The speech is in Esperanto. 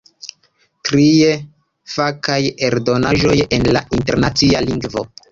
Trie, fakaj eldonaĵoj en la internacia lingvo.